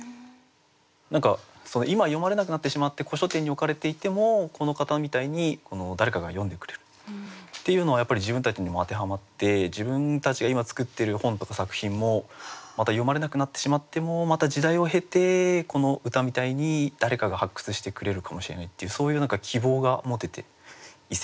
何か今は読まれなくなってしまって古書店に置かれていてもこの方みたいに誰かが読んでくれるっていうのはやっぱり自分たちにも当てはまって自分たちが今作ってる本とか作品もまた読まれなくなってしまってもまた時代を経てこの歌みたいに誰かが発掘してくれるかもしれないっていうそういう何か希望が持てて一席に選びました。